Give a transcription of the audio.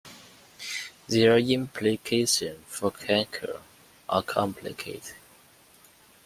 Their implications for cancer are complicated.